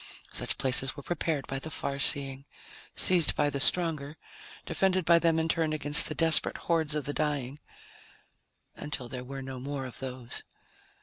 Such places were prepared by the far seeing, seized by the stronger, defended by them in turn against the desperate hordes of the dying ... until there were no more of those.